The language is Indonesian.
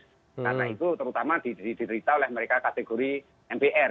karena itu terutama diterita oleh mereka kategori mpr